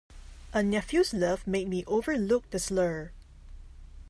A nephew's love made me overlook the slur.